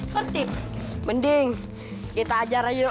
penting kita ajar yuk